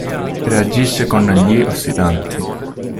Reagisce con gli ossidanti.